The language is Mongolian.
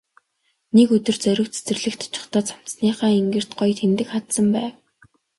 Нэг өдөр Зориг цэцэрлэгт очихдоо цамцныхаа энгэрт гоё тэмдэг хадсан байв.